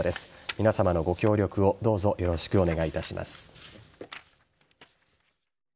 皆さまのご協力をどうぞよろしくお願いいたします。